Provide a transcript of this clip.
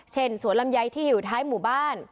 สวนลำไยที่อยู่ท้ายหมู่บ้าน